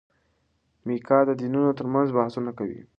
میکا د دینونو ترمنځ بحثونه کوي.